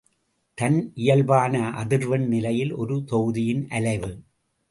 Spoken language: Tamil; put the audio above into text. தன் இயல்பான அதிர்வெண் நிலையில் ஒரு தொகுதியின் அலைவு.